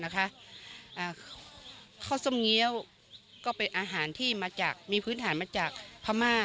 ข้าวส้มเงี้ยวก็เป็นอาหารที่มาจากมีพื้นฐานมาจากพม่า